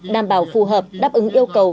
đảm bảo phù hợp đáp ứng yêu cầu